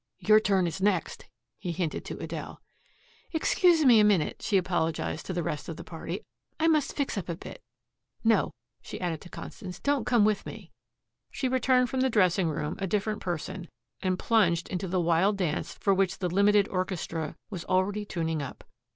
"Your turn is next," he hinted to Adele. "Excuse me a minute," she apologized to the rest of the party. "I must fix up a bit. No," she added to Constance, "don't come with me." She returned from the dressing room a different person, and plunged into the wild dance for which the limited orchestra was already tuning up.